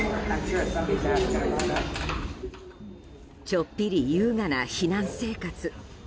ちょっぴり優雅な避難生活。